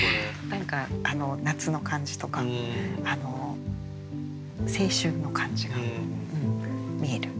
何か夏の感じとか青春の感じが見える。